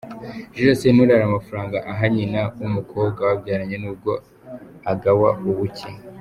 Jules Sentore hari amafaranga aha nyina w’umukobwa babyaranye n’ubwo agawa ubucye.